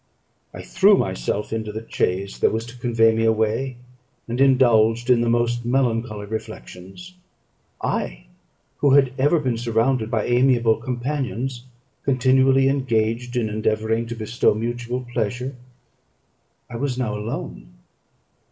I threw myself into the chaise that was to convey me away, and indulged in the most melancholy reflections. I, who had ever been surrounded by amiable companions, continually engaged in endeavouring to bestow mutual pleasure, I was now alone.